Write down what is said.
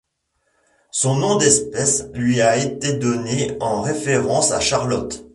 Son nom d'espèce lui a été donné en référence à Charlotte.